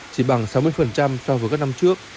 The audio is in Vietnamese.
chỉ bằng sáu mươi so với các năm trước